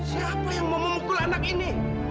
siapa yang mau memukul anak ini